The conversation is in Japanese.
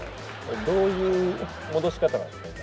どういう戻し方なんですか今の？